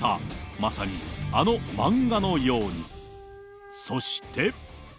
まさにあの漫画のように。